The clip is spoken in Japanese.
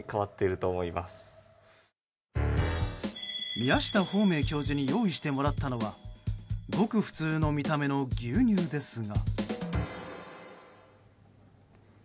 宮下芳明教授に用意してもらったのはごく普通の見た目の牛乳ですが。